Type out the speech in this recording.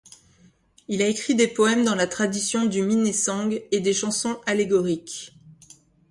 Il a écrit des poèmes dans la tradition du Minnesang et des chansons allégoriques.